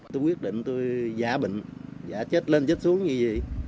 tôi quyết định tôi giả bệnh giả chết lên chết xuống gì gì